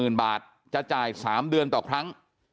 ในระยะเวลา๓ปี